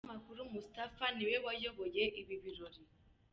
Umunyamakuru Mustaffa ni we wayoboye ibi birori.